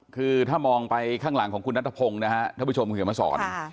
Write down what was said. คือถ้ามองไปข้างหลังของคุณนัททะพงนะฮะถ้าผู้ชมเห็นมาสอน